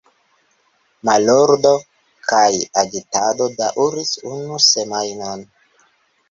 Malordo kaj agitado daŭris unu semajnon.